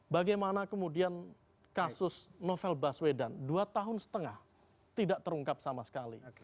bagaimana kemudian kasus novel baswedan dua tahun setengah tidak terungkap sama sekali